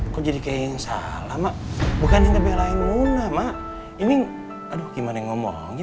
kok jadi kayak yang salah mak bukannya ngebelain muna mak ini aduh gimana ngomong